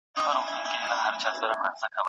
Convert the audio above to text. ګذرګاه د پردیسیو دروازه ده